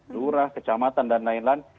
lurah kecamatan dan lain lain